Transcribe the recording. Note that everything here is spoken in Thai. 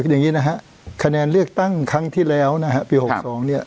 อย่างนี้นะฮะคะแนนเลือกตั้งครั้งที่แล้วนะฮะปี๖๒เนี่ย